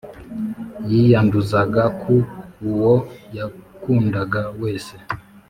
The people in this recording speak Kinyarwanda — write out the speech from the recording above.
Yiyanduzaga ku uwo yakundaga wese